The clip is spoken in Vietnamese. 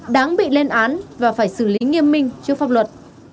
đáng bị lên án và phải xử lý nghiêm minh trước pháp luật